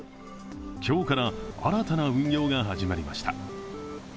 今日から新たな運用が始まりました。